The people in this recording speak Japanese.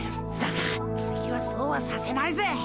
だが次はそうはさせないぜ！